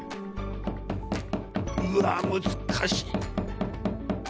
うわ難しい。